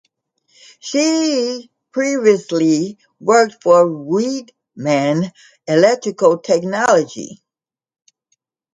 She previously worked for Weidmann Electrical Technology.